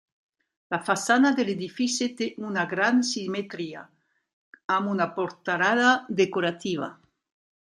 La façana de l'edifici té una gran simetria, amb una portalada decorativa.